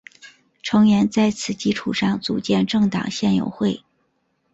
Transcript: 成员在此基础上组建政党宪友会。